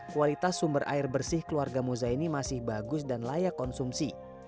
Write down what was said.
kualitas sumber air bersih keluarga moza ini masih bagus dan layak konsumsi